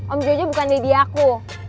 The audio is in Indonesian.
om jojo bukan deddy aku